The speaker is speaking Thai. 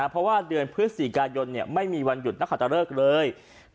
เพราะว่าเดือนพฤศจิกายนไม่มีวันหยุดนักขัตเริกเลย